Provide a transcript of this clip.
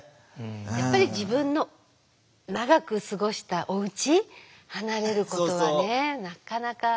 やっぱり自分の長く過ごしたおうち離れることはねなかなか。